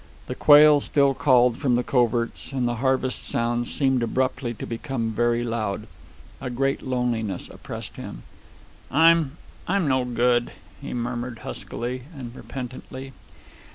The quail still called from the coverts, and the harvest sounds seemed abruptly to become very loud. A great loneliness oppressed him. "I'm ... I'm no good," he murmured huskily and repentantly.